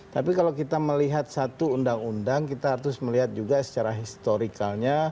tapi kalau kita melihat satu undang undang kita harus melihat juga secara historikalnya